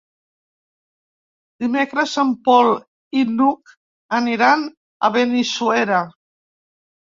Dimecres en Pol i n'Hug aniran a Benissuera.